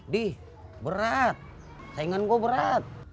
dih berat saingan gue berat